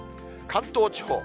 関東地方。